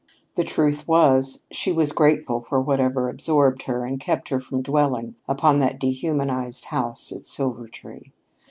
The truth was, she was grateful for whatever absorbed her and kept her from dwelling upon that dehumanized house at Silvertree.